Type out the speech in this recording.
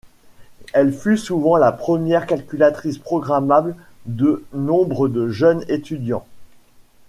Elle fut souvent la première calculatrice programmable de nombre de jeunes étudiants.